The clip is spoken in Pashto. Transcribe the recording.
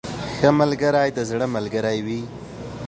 • ښه ملګری د زړه ملګری وي.